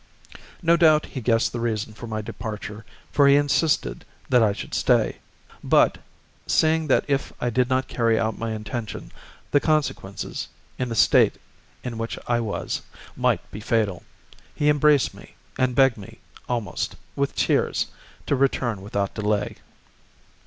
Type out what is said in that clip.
No doubt he guessed the reason of my departure, for he insisted that I should stay, but, seeing that if I did not carry out my intention the consequences, in the state in which I was, might be fatal, he embraced me, and begged me, almost, with tears, to return without delay.